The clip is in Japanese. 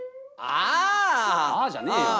「ああ」じゃねえよ。